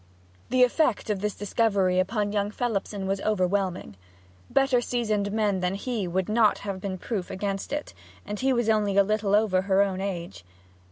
The effect of this discovery upon young Phelipson was overwhelming. Better seasoned men than he would not have been proof against it, and he was only a little over her own age.